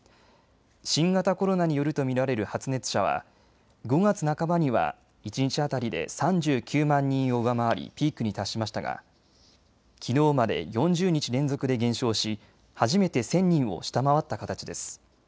新型コロナによると見られる発熱者は５月半ばには一日当たりで３９万人を上回りピークに達しましたがきのうまで４０日連続で減少し初めて１０００人を下回った形です。